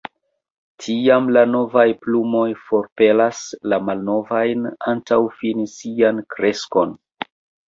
Tiam la novaj plumoj forpelas la malnovajn antaŭ fini sian kreskon.